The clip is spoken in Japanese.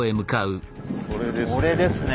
これですね。